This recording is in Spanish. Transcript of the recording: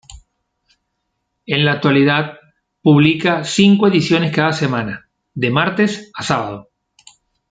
En la actualidad publica cinco ediciones cada semana, de martes a sábado.